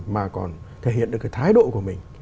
mà còn thể hiện được cái thái độ của mình